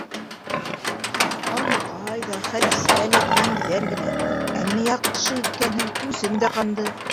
Алмаҡай ҙа, Хәҙисә лә кинәнделәр генә: - Әммә яҡшы иткәнһең, үсем дә ҡанды.